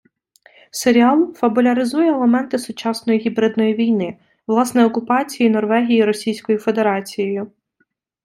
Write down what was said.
Серіал фабуляризує елементи сучасної гібридної війни — власне, окупації Норвегії Російською Федерацією.